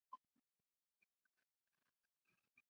但没有确切证据显示这些腔室内含盐腺。